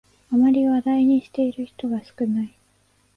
あまり話題にしている人が少ない